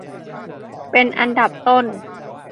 เป็นอันดับต้น